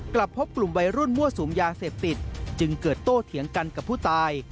กลับพบกลุ่มวัยรุ่นมั่วสุมยาเสพติดจึงเกิดโตเถียงกันกับผู้ตาย